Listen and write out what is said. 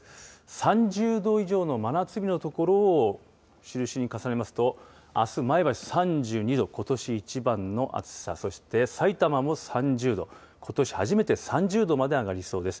３０度以上の真夏日の所を中心に重ねますと、あす、前橋３２度、ことし一番の暑さ、そして、さいたまも３０度、ことし初めて３０度まで上がりそうです。